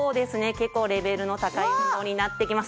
結構レベルの高い運動になってきます。